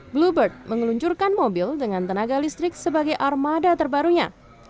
bluebird mengeluncurkan mobil dengan tenaga listrik sebagai armada terbarunya